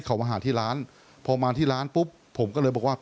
คุยกันนะครับพี่กล้านาโรงเจ้าของร้านนะฮะนอกจากนี้ครับทีมข่าวของเราตามต่อ